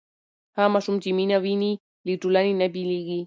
هغه ماشوم چې مینه ویني له ټولنې نه بېلېږي.